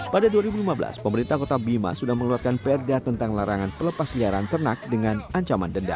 pada dua ribu lima belas pemerintah kota bima sudah mengeluarkan perda tentang larangan pelepas liaran ternak dengan ancaman denda